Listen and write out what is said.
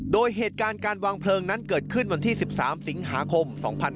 โดยเหตุการณ์การวางเพลิงนั้นเกิดขึ้นวันที่๑๓สิงหาคม๒๕๕๙